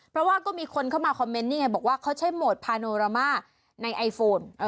เพราะว่าก็มีคนเข้ามาคอมเมนต์นี่ไงบอกว่าเขาใช้โหมดพาโนรามาในไอโฟน